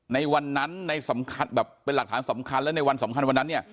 ในวันนั้นในสำคัญแบบเป็นหลักฐานสำคัญและในวันสำคัญวันนั้นเนี่ย